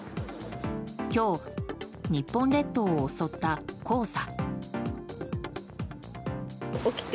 今日、日本列島を襲った黄砂。